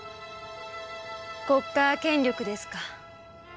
国家権力ですか。